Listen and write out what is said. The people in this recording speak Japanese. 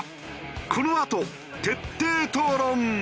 このあと徹底討論。